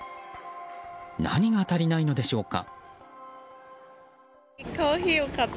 何が足りないのでしょうか。